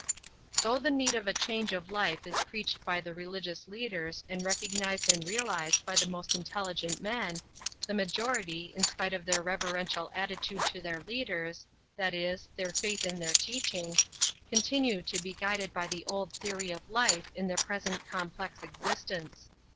Though the need of a change of life is preached by the religious leaders and recognized and realized by the most intelligent men, the majority, in spite of their reverential attitude to their leaders, that is, their faith in their teaching, continue to be guided by the old theory of life in their present complex existence.